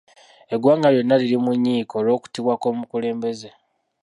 Eggwanga lyonna liri mu nnyiike olw’okuttibwa kw’omukulembeze.